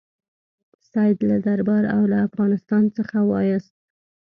سید له درباره او له افغانستان څخه وایست.